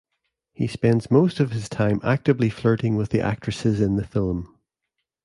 He spends most of his time actively flirting with the actresses in the film.